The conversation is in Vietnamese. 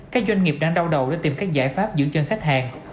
các doanh nghiệp đang đau đầu để tìm cách giải pháp dưỡng chân khách hàng